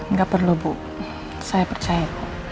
nggak perlu bu saya percaya